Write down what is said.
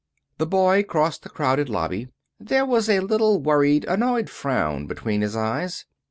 The boy crossed the crowded lobby. There was a little worried, annoyed frown between his eyes.